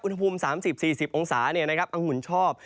เป็นภูมิ๓๐๔๐องศาเนี่ยนะครับอังหุ่นชอบ